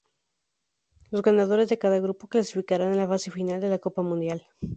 Los ganadores de cada grupo clasificarán a la fase final de la Copa Mundial.